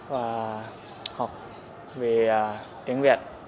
và học về tiếng việt